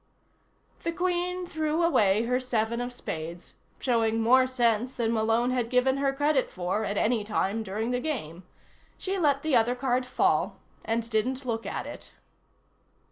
The Queen threw away her seven of spades, showing more sense than Malone had given her credit for at any time during the game. She let the other card fall and didn't look at it.